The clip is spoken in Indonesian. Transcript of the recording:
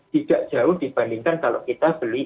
tidak jauh dibandingkan kalau kita beli